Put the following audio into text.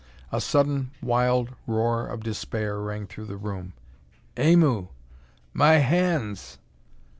A sudden, wild roar of despair rang through the room. "Aimu! My hands!"